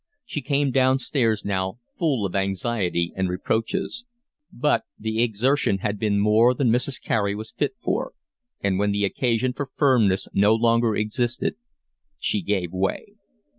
She came downstairs now full of anxiety and reproaches; but the exertion had been more than Mrs. Carey was fit for, and when the occasion for firmness no longer existed she gave way.